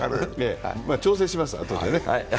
まあ、調整します、あとでね。